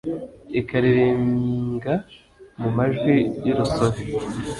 ikaririmbwa mu majwi y'urusobe